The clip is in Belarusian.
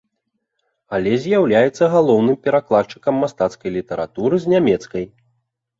Але з'яўляецца галоўным перакладчыкам мастацкай літаратуры з нямецкай.